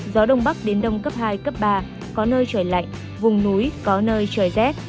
gió đông bắc đến đông cấp hai cấp ba có nơi trời lạnh vùng núi có nơi trời rét